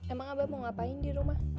emang abah mau ngapain di rumah